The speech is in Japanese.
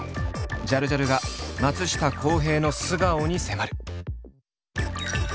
ジャルジャルが松下洸平の素顔に迫る。